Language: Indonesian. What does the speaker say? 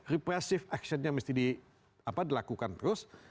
repressive actionnya mesti dilakukan terus